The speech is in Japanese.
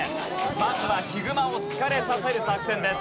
まずはヒグマを疲れさせる作戦です。